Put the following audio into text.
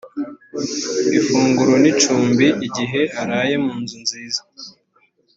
ifunguro n icumbi igihe araye mu nzu nziza